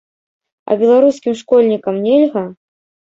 А беларускім школьнікам нельга?